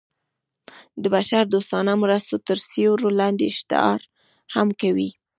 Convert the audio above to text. د بشر دوستانه مرستو تر سیورې لاندې اشتهار هم کوي.